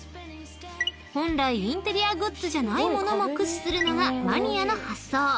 ［本来インテリアグッズじゃないものも駆使するのがマニアの発想］